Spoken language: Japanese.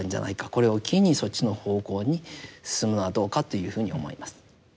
これを機にそっちの方向に進むのはどうかというふうに思います。